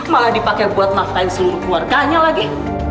malah dipakai buat nafkahin seluruh keluarganya lagi